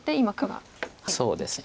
そうですね。